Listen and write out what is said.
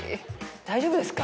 大丈夫ですか？